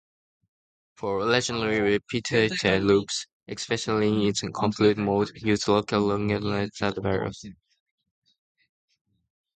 For lengthy repetitive loops, especially in compiled mode, use local Long Integer variables.